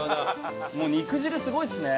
もう肉汁すごいですね。